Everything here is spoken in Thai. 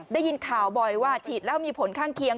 ได้ยินข่าวบ่อยว่าฉีดแล้วมีผลข้างเคียง